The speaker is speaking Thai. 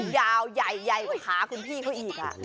ยาวใหญ่กว่าขาคุณพี่เขาอีกอ่ะ